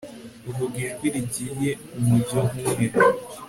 uvuga ijwi rigiye umujyo umwe